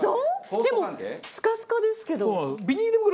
でもスカスカですけど。